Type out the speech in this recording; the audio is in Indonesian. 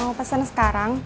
mau pesen sekarang